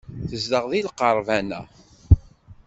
Tezdeɣ deg lqerban-a.